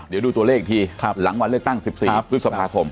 เดี๋ยวดูตัวเลขที่หลังวันเลือกตั้ง๑๐สีภูมิสวรรคภาคม